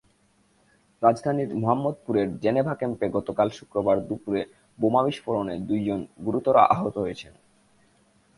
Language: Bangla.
রাজধানীর মোহাম্মদপুরের জেনেভা ক্যাম্পে গতকাল শুক্রবার দুপুরে বোমা বিস্ফোরণে দুজন গুরুতর আহত হয়েছেন।